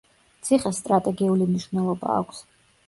ციხეს სტრატეგიული მნიშვნელობა აქვს.